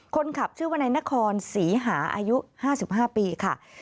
คนขับชื่อวนายนครศรีหาอายุ๕๕ปีค่ะ